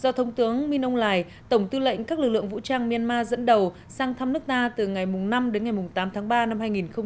do thông tướng minh âu lài tổng tư lệnh các lực lượng vũ trang myanmar dẫn đầu sang thăm nước ta từ ngày năm đến ngày tám tháng ba năm hai nghìn hai mươi